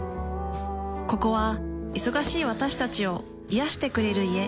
ここは忙しい私たちを癒してくれる家。